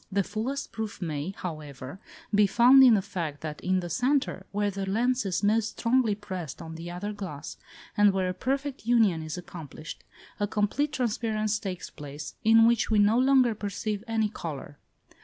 The fullest proof may, however, be found in the fact that in the centre, where the lens is most strongly pressed on the other glass, and where a perfect union is accomplished, a complete transparence takes place, in which we no longer perceive any colour.